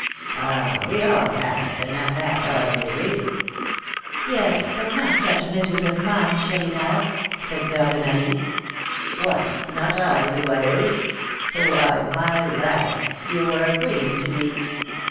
Ah, we all have, and have had, our miseries!" "Yes, but not such miseries as mine, Chourineur," said Fleur de Marie. "What! not I, Goualeuse? Why, my lass, you were a queen to me!